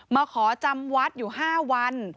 มาขอจำวัดอยู่๕วัน